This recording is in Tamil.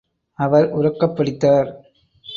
அவர் உரக்கப் படித்தார்.